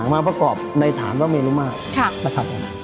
มาประกอบในฐานพระเมียนรุมมาก